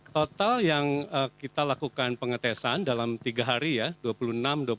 total yang kita lakukan pengetesan dalam tiga hari ya dua puluh enam dua puluh tujuh dua puluh delapan adalah seribu dua ratus enam puluh an